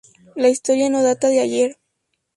La historia no data de ayer.